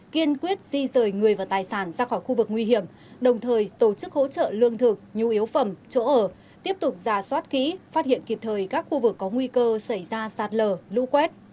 kiên quyết di rời người và tài sản ra khỏi khu vực nguy hiểm đồng thời tổ chức hỗ trợ lương thực nhu yếu phẩm chỗ ở tiếp tục giả soát kỹ phát hiện kịp thời các khu vực có nguy cơ xảy ra sạt lở lũ quét